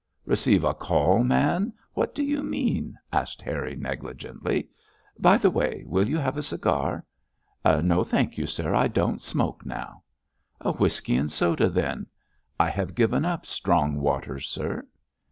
'Receive a call, man! What do you mean?' asked Harry, negligently. 'By the way, will you have a cigar?' 'No thank you, sir. I don't smoke now.' 'A whisky and soda, then?' 'I have given up strong waters, sir.'